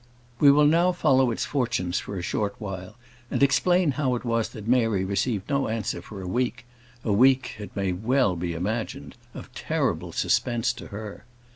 We will now follow its fortunes for a short while, and explain how it was that Mary received no answer for a week; a week, it may well be imagined, of terrible suspense to her.